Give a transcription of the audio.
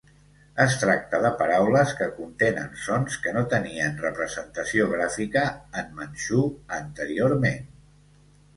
Es tracta de paraules que contenen sons que no tenien representació gràfica en manxú anteriorment.